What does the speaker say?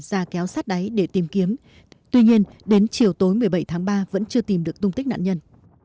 ra kéo sát đáy để tìm kiếm tuy nhiên đến chiều tối một mươi bảy tháng ba vẫn chưa tìm được tung tích nạn nhân